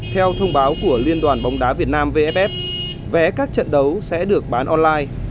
theo thông báo của liên đoàn bóng đá việt nam vff vẽ các trận đấu sẽ được bán online